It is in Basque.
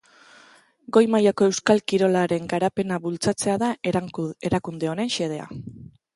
Goi-mailako euskal kirolaren garapena bultzatzea da erakunde honen xedea.